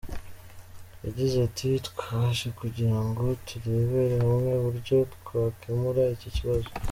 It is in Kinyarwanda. Yagize ati “ Twaje kugira ngo turebere hamwe uburyo twakemura iki kibazo.